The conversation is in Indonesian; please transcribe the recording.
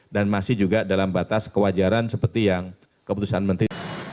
masih juga dalam batas kewajaran seperti yang keputusan menteri